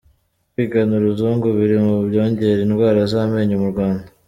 Kwigana uruzungu biri mu byongera indwara z’amenyo mu Rwanda